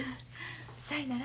さいなら。